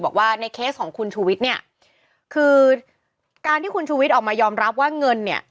บอกว่าในเคสของคุณชูวิทย์เนี่ยคือการที่คุณชูวิทย์ออกมายอมรับว่าเงินเนี่ย